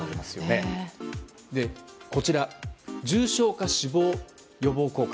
そして重症化・死亡予防効果。